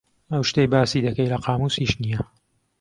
ئەو شتەی باسی دەکەی لە قامووسیش نییە.